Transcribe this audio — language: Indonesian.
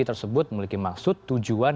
tersebut memiliki maksud tujuan